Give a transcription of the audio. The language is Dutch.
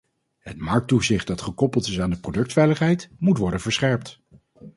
Het markttoezicht, dat gekoppeld is aan de productveiligheid, moet worden verscherpt.